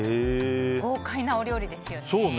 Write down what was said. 豪快なお料理ですよね。